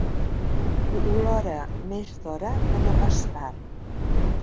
Ho olora més d'hora que no pas tard.